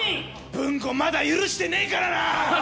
ぶんご、まだ許してねえからな！